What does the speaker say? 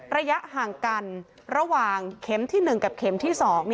ระยะห่างกันระหว่างเข็มที่๑กับเข็มที่๒